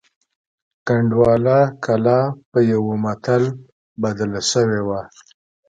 کنډواله کلا په یوه متل بدله شوې وه.